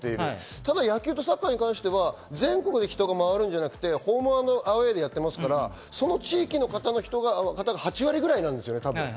ただ野球とサッカーに関しては全国で人が回るんじゃなくて、ホーム＆アウェーなので、その地域の方が８割ぐらいなんですよね、多分。